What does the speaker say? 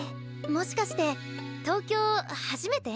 もしかして東京初めて？